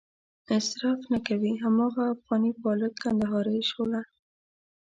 اصراف نه کوي هماغه افغاني پالک، کندهارۍ شوله.